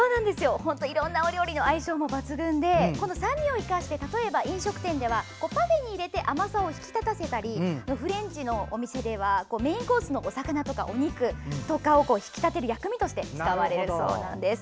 いろいろなお料理の相性も抜群でこの酸味を生かして例えば飲食店では例えばパフェに入れて甘さを引き立たせたりフレンチ料理のお店ではメインコースの魚やお肉の薬味として使われるそうです。